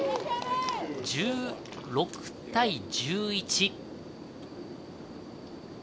１６対１１。